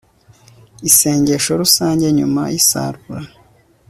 isengesho rusange nyuma y'isarura